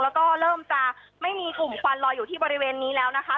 แล้วก็เริ่มจะไม่มีกลุ่มควันลอยอยู่ที่บริเวณนี้แล้วนะคะ